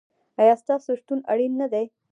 ایا ستاسو شتون اړین نه دی؟